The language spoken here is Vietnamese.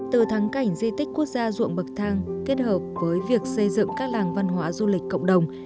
từ thắng cảnh di tích quốc gia ruộng bậc thang kết hợp với việc xây dựng các làng văn hóa du lịch cộng đồng